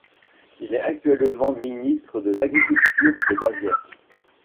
Il est actuellement ministre de l'Agriculture de Bavière.